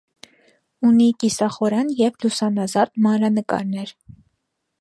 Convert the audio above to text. Ունի կիաախորան և լուսանազարդ մանրանկարներ։